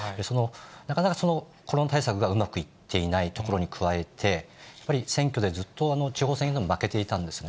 なかなかコロナ対策がうまくいっていないところに加えて、やはり選挙でずっと地方選でも負けていたんですね。